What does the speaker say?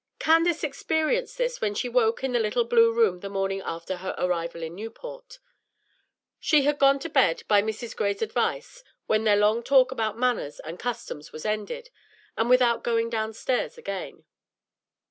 Candace experienced this when she woke in the little blue room the morning after her arrival in Newport. She had gone to bed, by Mrs. Gray's advice, when their long talk about manners and customs was ended, and without going downstairs again.